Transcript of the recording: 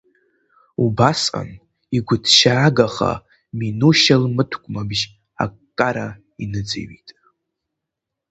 Убасҟан игәыҭшьаагаха Минушьа лмыткәмабжь аккара иныҵыҩит.